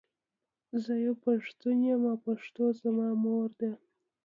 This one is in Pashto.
زۀ یو پښتون یم او پښتو زما مور ده.